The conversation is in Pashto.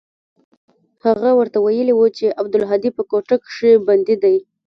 هغه ورته ويلي و چې عبدالهادي په کوټه کښې بندي دى.